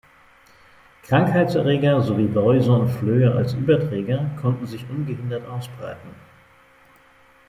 Krankheitserreger, sowie Läuse und Flöhe als Überträger, konnten sich ungehindert ausbreiten.